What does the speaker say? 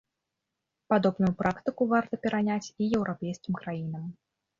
Падобную практыку варта пераняць і еўрапейскім краінам.